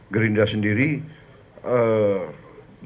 gerinda sendiri berusaha